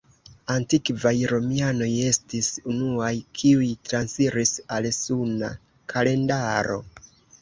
Antikvaj Romianoj estis unuaj, kiuj transiris al Suna kalendaro.